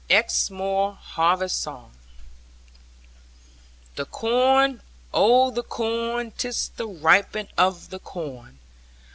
EXMOOR HARVEST SONG 1 The corn, oh the corn, 'tis the ripening of the corn!